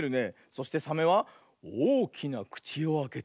そしてサメはおおきなくちをあけておよぐ。